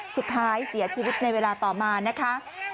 สุดท้ายเสียชีวิตในเวลาต่อมานะคะ